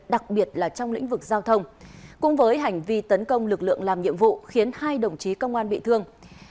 đặc biệt là trong lĩnh vực giao thông cùng với hành vi tấn công lực lượng làm nhiệm vụ khiến hai đồng chí công an bị thương